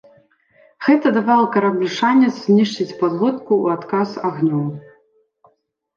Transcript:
Гэта давала караблю шанец знішчыць падлодку у адказ агнём.